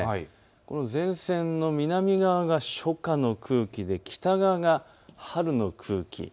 この前線の南側が初夏の空気で北側が春の空気。